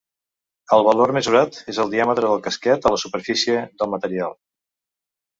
El valor mesurat és el diàmetre del casquet a la superfície del material.